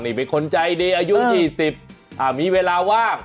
นี่เป็นคนใจดีอายุ๒๐มีเวลาว่าง